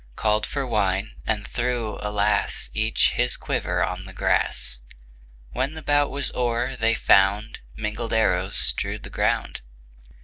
Called for wine, and threw — alas! — Each his quiver on the grass. When the bout was o'er they found Mingled arrows strewed the ground.